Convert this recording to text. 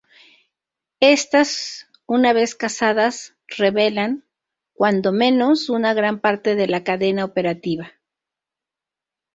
Estas una vez casadas, revelan, cuando menos, una gran parte de la "cadena operativa".